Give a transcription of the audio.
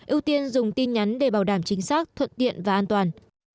ưu tiên dùng tin nhắn để bảo đảm chính xác thuận tiện và an toàn